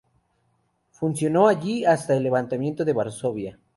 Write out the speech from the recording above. Funcionó allí hasta el Levantamiento de Varsovia.